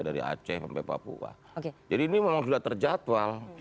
dari aceh sampai papua jadi ini memang sudah terjatual